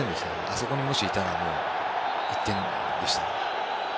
あそこに、もしいたら１点でしたね。